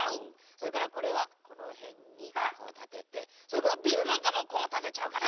それからこれはこのへんにこうたててそれからビルなんかもこうたてちゃおうかな。